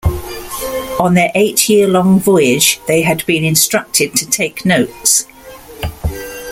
On their eight-year-long voyage they had been instructed to take notes.